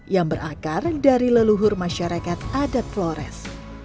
yang berakar dari leluhur masyarakat adat flores